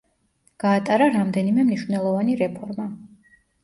გაატარა რამდენიმე მნიშვნელოვანი რეფორმა.